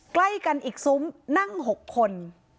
ใกล้กันอีกซุ้มนั่ง๖คน